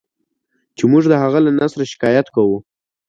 چې موږ د هغه له نثره شکایت کوو.